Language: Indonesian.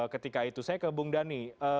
ketika itu saya ke bung dhani